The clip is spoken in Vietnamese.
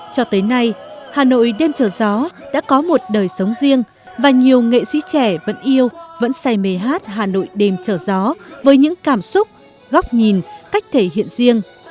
cho tới nay hà nội đêm trời gió đã có một đời sống riêng và nhiều nghệ sĩ trẻ vẫn yêu vẫn say mê hát hà nội đêm trời gió với những cảm xúc góc nhìn cách thể hiện riêng